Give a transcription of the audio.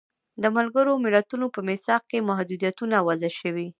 د ملګرو ملتونو په میثاق کې محدودیتونه وضع شوي.